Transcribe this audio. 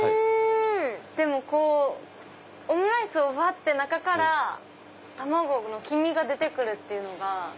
でもこうオムライスを割って中から卵の黄身が出て来るっていうのが。